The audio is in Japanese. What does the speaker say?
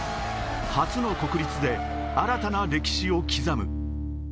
初の国立で新たな歴史を刻む。